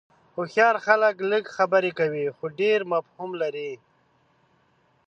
هوښیار خلک لږ خبرې کوي خو ډېر مفهوم لري.